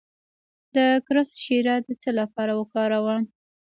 د کرفس شیره د څه لپاره وکاروم؟